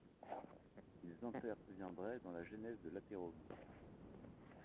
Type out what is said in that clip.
Ils interviendraient dans la genèse de l'athérome.